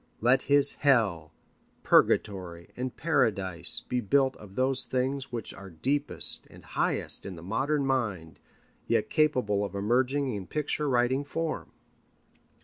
Let his Hell, Purgatory, and Paradise be built of those things which are deepest and highest in the modern mind, yet capable of emerging in picture writing form.